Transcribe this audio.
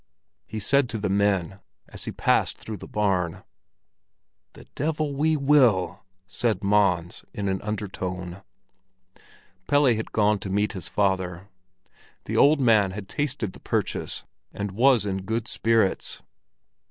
he said to the men as he passed through the barn. "The devil we will!" said Mons, in an undertone. Pelle had gone to meet his father. The old man had tasted the purchase, and was in good spirits.